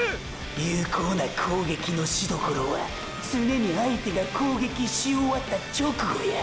有効な攻撃のしどころは常に相手が攻撃し終わった直後や。